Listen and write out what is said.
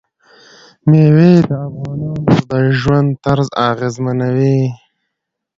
مېوې د افغانانو د ژوند طرز اغېزمنوي.